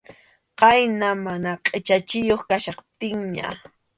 Khayna mana qʼichachiyuq kachkaptinñan.